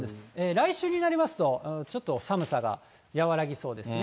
来週になりますと、ちょっと寒さが和らぎそうですね。